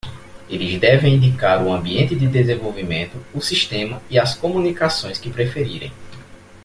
Eles devem indicar o ambiente de desenvolvimento, o sistema e as comunicações que preferirem.